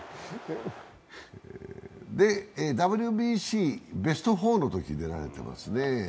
で、ＷＢＣ、ベース４のときに出られてますね。